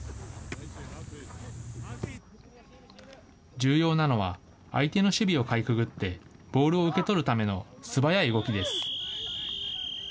重要なのは、相手の守備をかいくぐって、ボールを受け取るための素早い動きです。